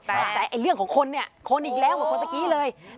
แต่เรื่องของคนเนี่ยคนอีกแล้วเหมือนคนเมื่อกี้เลย